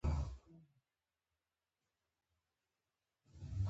زه له چا سره جنګ نه کوم.